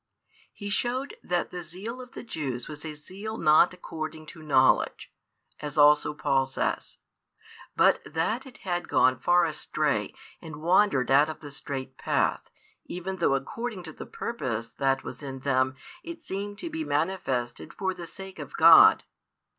He showed that the zeal of the Jews was a zeal not according to knowledge, as also Paul says, but that it had gone far astray and wandered out of the straight path, even though according to the purpose that was in them it seemed to be manifested for the sake of God.